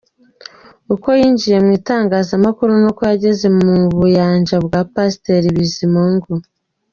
Uko yinjiye mu itangazamakuru n’uko yageze mu Buyanja bwa Pasteur Bizimungu.